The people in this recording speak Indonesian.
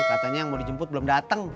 katanya yang mau dijemput belum datang